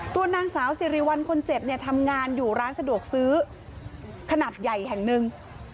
ตัวนางสาวสิริวัลคนเจ็บเนี่ยทำงานอยู่ร้านสะดวกซื้อขนาดใหญ่แห่งหนึ่ง